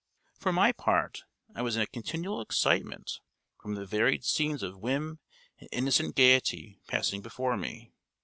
[P] For my part, I was in a continual excitement, from the varied scenes of whim and innocent gaiety passing before me.